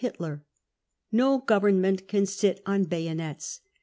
Hitler. No govern™ # merit can sit on bayonets.